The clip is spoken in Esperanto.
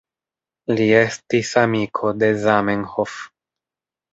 Li estis amiko de Zamenhof.